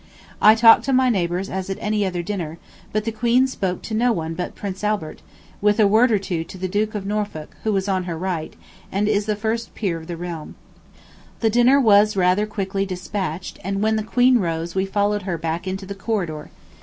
I talked to my neighbors as at any other dinner, but the Queen spoke to no one but Prince Albert, with a word or two to the Duke of Norfolk, who was on her right, and is the first peer of the realm. The dinner was rather quickly despatched, and when the Queen rose we followed her back into the corridor.